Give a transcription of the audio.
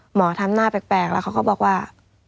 หมอทำหน้าแปลกแล้วเขาก็บอกว่า